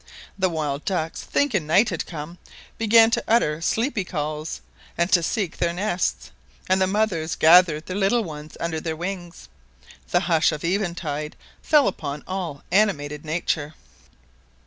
The wild ducks, thinking night had come, began to utter sleepy calls and to seek their nests, and the mothers gathered their little ones under their wings. The hush of eventide fell upon all animated nature.